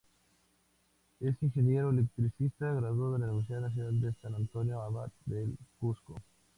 Es Ingeniero electricista graduado en la Universidad Nacional de San Antonio Abad del Cusco.